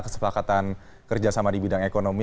kesepakatan kerjasama di bidang ekonomi